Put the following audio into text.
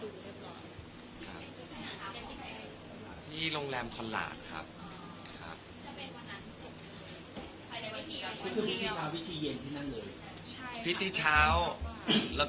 ตอนนี้ถ้าไม่มีอะไรเปลี่ยนแปลงครับมีขนบากยอกน้ำชารสน้ำสัง